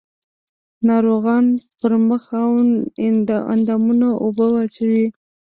ناروغان پر مخ او اندامونو اوبه واچوي.